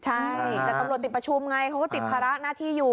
ใช่แต่ตำรวจติดประชุมไงเขาก็ติดภาระหน้าที่อยู่